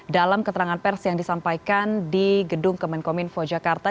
dalam keterangan pers yang disampaikan di gedung kemenkominfo jakarta